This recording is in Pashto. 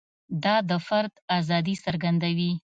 دا د فرد ازادي څرګندوي.